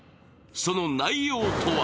その内容とは